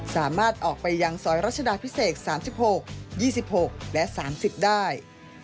สามารถออกไปยังซอยรัชดาพิเศษ๓๖๒๖และ๓๐ได้